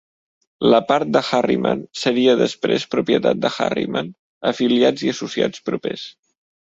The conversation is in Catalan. La part de Harriman seria després propietat de Harriman, afiliats i associats propers.